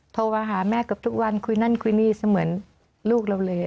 โทรมาหาแม่เกือบทุกวันคุยนั่นคุยนี่เสมือนลูกเราเลย